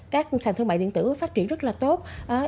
các sàn thương mại điện tử phát triển rất là tốt